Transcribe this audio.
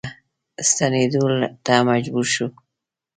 بیرته ستنیدلو ته مجبور شو.